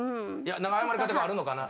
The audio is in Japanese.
何か謝り方があるのかな？